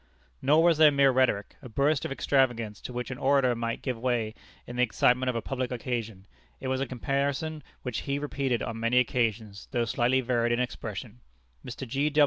Nor was this mere rhetoric, a burst of extravagance, to which an orator might give way in the excitement of a public occasion; it was a comparison which he repeated on many occasions, though slightly varied in expression. Mr.